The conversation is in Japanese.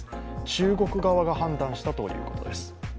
中国側が判断したということです。